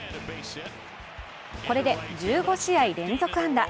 これで１５試合連続安打。